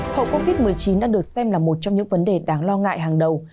hậu covid một mươi chín đã được xem là một trong những vấn đề đáng lo ngại hàng đầu